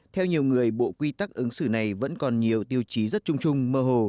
theo nhiều người bộ quy tắc ứng xử này vẫn còn nhiều tiêu chí rất chung trung mơ hồ